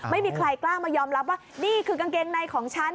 ไม่มีใครกล้ามายอมรับว่านี่คือกางเกงในของฉัน